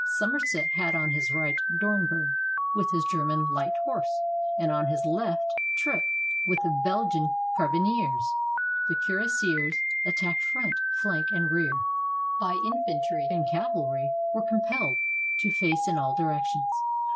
Somerset had on his right Dornberg, with his German light horse, and on his left Trip, with the Belgian carbi neers. The cuirassiers, attacked front, flank, and rear, by infantry and cavalry, were compelled to face in all directions.